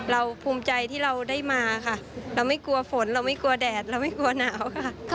ภูมิใจที่เราได้มาค่ะเราไม่กลัวฝนเราไม่กลัวแดดเราไม่กลัวหนาวค่ะ